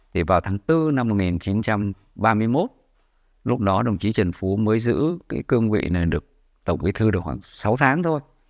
thì vào tháng bốn năm một nghìn chín trăm ba mươi một lúc đó đồng chí trần phú mới giữ cái cương vị này được tổng bí thư được khoảng sáu tháng thôi